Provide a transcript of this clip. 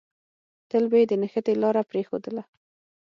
تل به يې د نښتې لاره پرېښودله.